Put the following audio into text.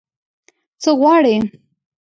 _څه غواړې؟